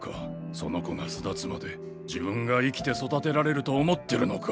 その子が巣立つまで自分が生きて育てられると思ってるのか。